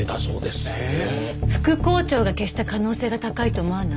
副校長が消した可能性が高いと思わない？